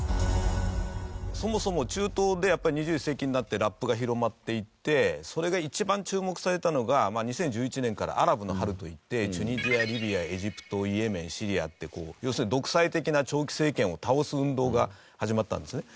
そもそも中東でやっぱり２１世紀になってラップが広まっていってそれが一番注目されたのが２０１１年からアラブの春といってチュニジアリビアエジプトイエメンシリアって要するに独裁的な長期政権を倒す運動が始まったんですね。